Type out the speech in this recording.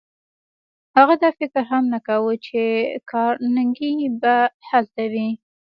هغه دا فکر هم نه کاوه چې کارنګي به هلته وي.